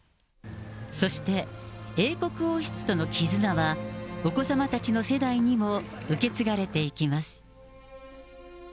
そして、英国王室との絆は、お子さまたちの世代にも受け継がれていきます。